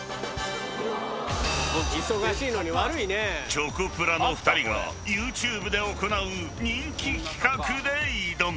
［チョコプラの２人がＹｏｕＴｕｂｅで行う人気企画で挑む］